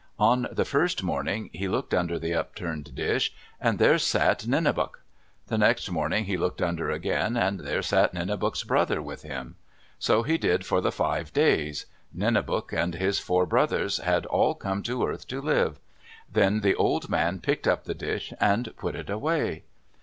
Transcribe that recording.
On the first morning he looked under the upturned dish, and there sat Nenebuc. The next morning he looked under again, and there sat Nenebuc's brother with him. So he did for the five days. Nenebuc and his four brothers had all come to earth to live. Then the old man picked up the dish and put it away.